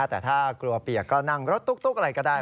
แต่ถ้ากลัวเปียกก็นั่งรถตุ๊กอะไรก็ได้